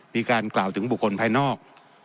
มีการกล่าวถึงบุคคลภายนอก